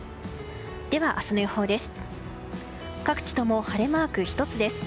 では明日の予報です。